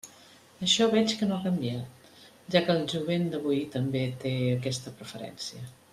Això veig que no ha canviat, ja que el jovent d'avui també té aquesta preferència.